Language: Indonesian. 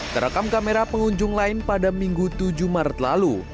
terekam kamera pengunjung lain pada minggu tujuh maret lalu